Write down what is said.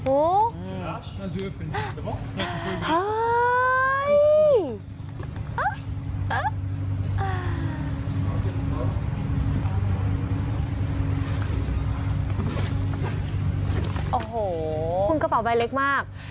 โอ้โหคุณกระเป๋าใบเล็กมาก